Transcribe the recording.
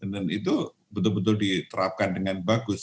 dan itu betul betul diterapkan dengan bagus